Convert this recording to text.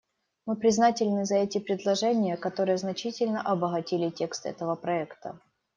Мы признательны за эти предложения, которые значительно обогатили текст этого проекта.